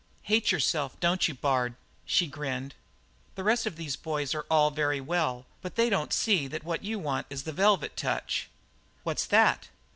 "Hate yourself, don't you, Bard?" she grinned. "The rest of these boys are all very well, but they don't see that what you want is the velvet touch." "What's that?"